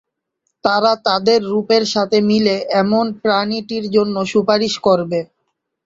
তারা তাদের রূপের সাথে মিলে এমন প্রাণীটির জন্য সুপারিশ করবে।